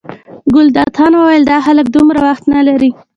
ګلداد خان وویل دا خلک دومره وخت نه لري.